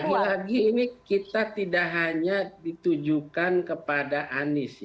lagi lagi ini kita tidak hanya ditujukan kepada anies